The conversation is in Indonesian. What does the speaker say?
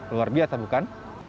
luar biasa bukan